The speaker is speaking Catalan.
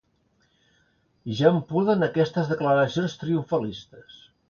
Ja em puden aquestes declaracions triomfalistes.